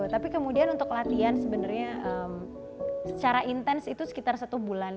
tapi kemudian untuk latihan sebenarnya secara intens itu sekitar satu bulan